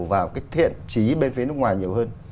vào cái thiện trí bên phía nước ngoài nhiều hơn